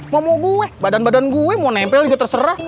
mama gue badan badan gue mau nempel juga terserah